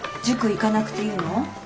塾行かなくていいの？